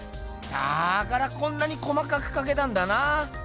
だからこんなに細かくかけたんだな。